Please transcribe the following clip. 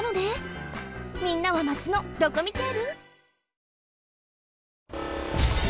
みんなはまちのドコミテール？